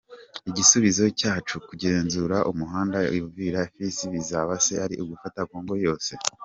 Igisubizo cyacu: Kugenzura umuhanda Uvira-Fizi bizaba se ari ugufata Kongo yose?